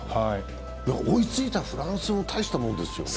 追いついたフランスも大したもんですよね。